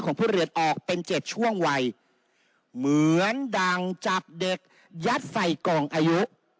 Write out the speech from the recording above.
ผู้เรียนออกเป็น๗ช่วงวัยเหมือนดังจับเด็กยัดใส่กล่องอายุ